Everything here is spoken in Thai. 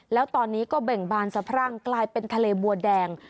แล้วตอนนี้ก็เบ่งบานสะพรั่งกลายเป็นทะเลบัวแดง